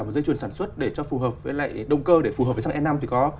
động cơ để phù hợp với xăng e năm thì có